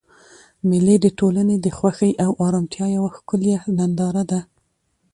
مېلې د ټولنې د خوښۍ او ارامتیا یوه ښکلیه ننداره ده.